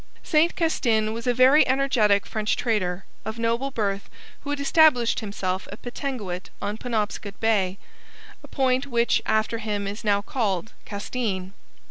Saint Castin was a very energetic French trader, of noble birth, who had established himself at Pentegoet on Penobscot Bay a point which, after him, is now called Castine.